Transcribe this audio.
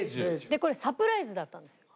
でこれサプライズだったんですよ。